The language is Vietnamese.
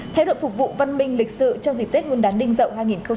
thái độ phục vụ văn minh lịch sự trong dịp tết nguyên đán đinh dậu hai nghìn một mươi bảy